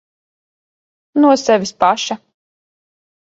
No sevis paša.